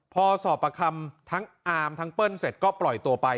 พอสอบประคำทั้งอาร์มทั้งเปิ้ลเสร็จก็ปล่อยตัวไป